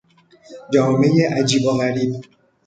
جامهی عجیب و غریب